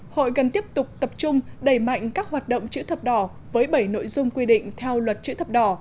hội cần tiếp tục tập trung đẩy mạnh các hoạt động chữ thập đỏ với bảy nội dung quy định theo luật chữ thập đỏ